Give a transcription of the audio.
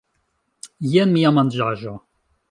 Jen mia manĝaĵo